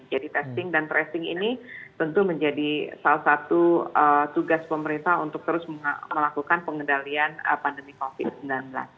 jadi testing dan tracing ini tentu menjadi salah satu tugas pemerintah untuk terus melakukan pengendalian pandemi covid sembilan belas